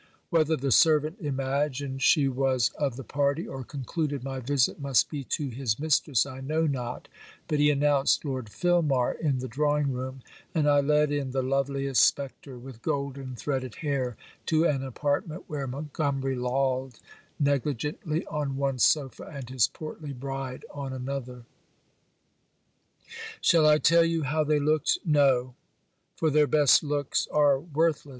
Whether the servant imagined she was of the party or concluded my visit must be to his mistress I know not, but he announced Lord Filmar in the drawing room; and I led in the loveliest spectre with golden threaded hair to an apartment where Montgomery lolled negligently on one sopha and his portly bride on another. Shall I tell you how they looked? No! for their best looks are worthless!